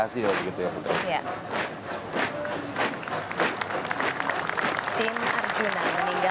serta pesawat sukhoi